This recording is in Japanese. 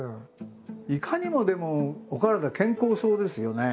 いかにもでもお体健康そうですよね。